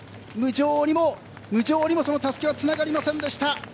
今、無情にも、そのたすきはつながりませんでした。